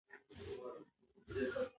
د ژوند بریا د هڅو او زړورتیا پایله ده.